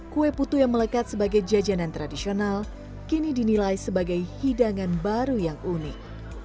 kue putu yang melekat sebagai jajanan tradisional kini dinilai sebagai hidangan baru yang unik